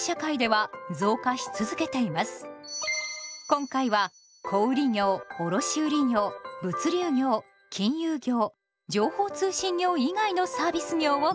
今回は小売業卸売業物流業金融業情報通信業以外のサービス業を見てみましょう。